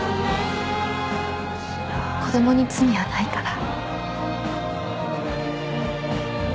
子供に罪はないから。